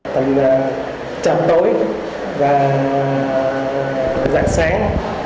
tiền giả là tràm tối và dạng sáng